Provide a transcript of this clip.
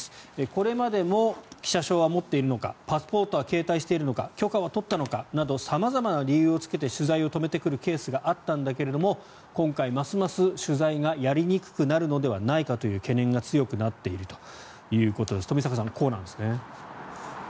これまでも記者証は持っているのかパスポートは携帯しているのか許可は取ったのかなど様々な理由をつけて取材を止めてくるケースがあったんだけども今回、ますます取材がやりにくくなるのではないかという懸念が強くなっているということです。